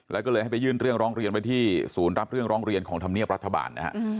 แล้วก็เลยให้ไปยื่นเรื่องร้องเรียนไว้ที่ศูนย์รับเรื่องร้องเรียนของธรรมเนียบรัฐบาลนะฮะ